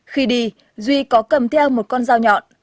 khi đi duy có cầm theo một con dao nhọn